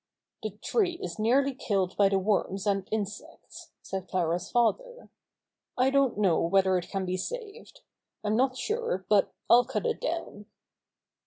"The tree is nearly killed by the worms and insects," said Clara's father. "I don't know whether it can be saved. I'm not sure but I'll cut it down."